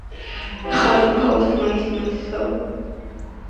ხალიფა ოსმანის ნათესავი.